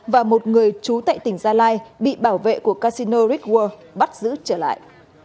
và một người chú tệ tỉnh gia lai bị bảo vệ của casino rick world bắt giữ trở lại